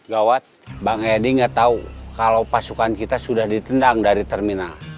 gawat bang edi nggak tahu kalau pasukan kita sudah ditendang dari terminal